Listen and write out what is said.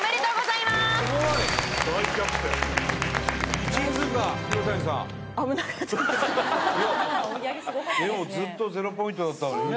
いやでもずっと０ポイントだったのにね